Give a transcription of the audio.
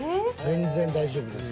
全然大丈夫です。